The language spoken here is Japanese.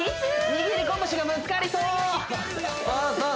握り拳がぶつかりそう！